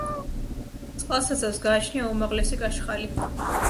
წყალსაცავს გააჩნია უმაღლესი კაშხალი.